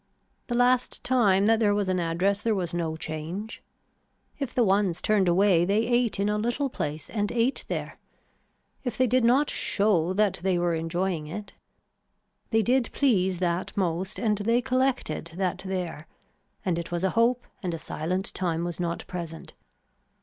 The last time that there was an address there was no change. If the ones turned away they ate in a little place and ate there. If they did not show that they were enjoying it. They did please that most and they collected that there and it was a hope and a silent time was not present.